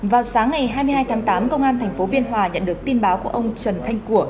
vào sáng ngày hai mươi hai tháng tám công an tp biên hòa nhận được tin báo của ông trần thanh của